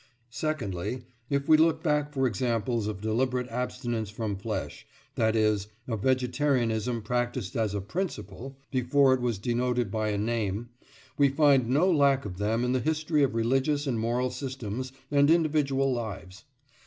Secondly, if we look back for examples of deliberate abstinence from flesh—that is, of vegetarianism practised as a principle before it was denoted by a name—we find no lack of them in the history of religious and moral systems and individual lives.